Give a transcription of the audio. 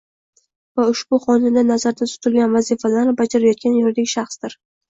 va ushbu Qonunda nazarda tutilgan vazifalarni bajarayotgan yuridik shaxsdir.